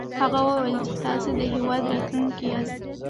هغه وويل چې تاسې د هېواد راتلونکی ياست.